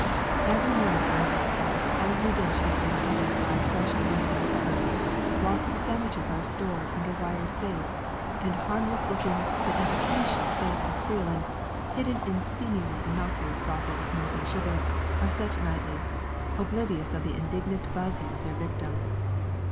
Each morning for months past every dish has been covered by fresh muslin covers, whilst sandwiches are stored under wire safes, and harmless looking but efficacious baits of creolin, hidden in seemingly innocuous saucers of milk and sugar, are set nightly, oblivious of the indignant buzzing of their victims.